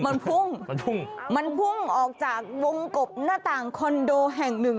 มันพุ่งมันพุ่งมันพุ่งออกจากวงกบหน้าต่างคอนโดแห่งหนึ่ง